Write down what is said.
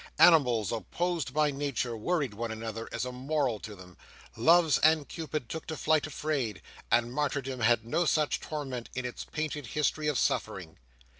Animals, opposed by nature, worried one another, as a moral to them. Loves and Cupids took to flight afraid, and Martyrdom had no such torment in its painted history of suffering.